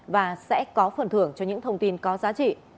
và sẽ có phần thưởng cho những thông tin có giá trị